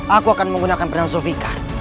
aku akan menggunakan perang zulfiqar